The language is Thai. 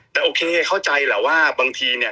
แต่โอเคเข้าใจแหละว่าบางทีเนี่ย